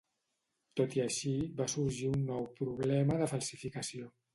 Tot i així va sorgir un nou problema de falsificació.